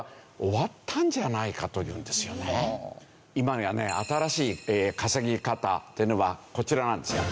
今やね新しい稼ぎ方というのはこちらなんですが。